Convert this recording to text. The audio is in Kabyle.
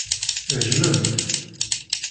Jjmen-t.